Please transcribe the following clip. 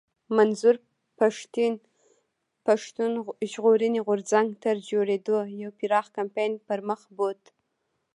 منظور پښتين پښتون ژغورني غورځنګ تر جوړېدو يو پراخ کمپاين پر مخ بوت